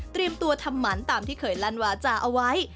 ตัวทำหมันตามที่เคยลั่นวาจาเอาไว้